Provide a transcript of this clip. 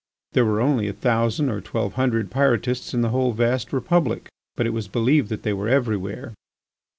There were only a thousand or twelve hundred Pyrotists in the whole vast Republic, but it was believed that they were everywhere.